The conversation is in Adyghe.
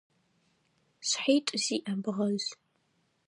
Шъхьитӏу зиӏэ бгъэжъ.